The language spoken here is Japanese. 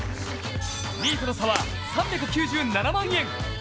２位との差は３９７万円。